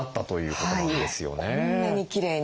こんなにきれいに。